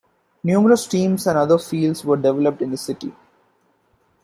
Numerous teams and other fields were developed in the city.